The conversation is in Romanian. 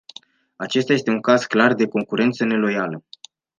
Acesta este un caz clar de concurență neloială.